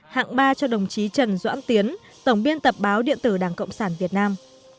hạng ba cho đồng chí trần doãn tiến tổng biên tập báo điện tử đảng cộng sản việt nam